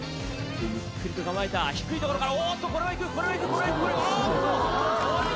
ゆっくりと構えた、低い所からおーっとこれはいく、これはいく、これはいく。